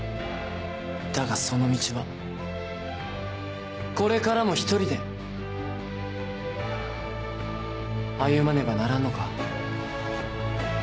だがその道はこれからも一人で歩まねばならんのか？